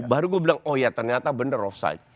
baru gue bilang oh ya ternyata benar offside